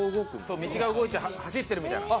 そう道が動いて走ってるみたいな。